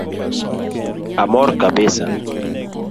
Amor kabisa